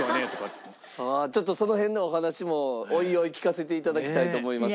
ちょっとその辺のお話もおいおい聞かせて頂きたいと思います。